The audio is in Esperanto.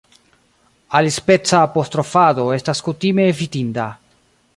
Alispeca apostrofado estas kutime evitinda.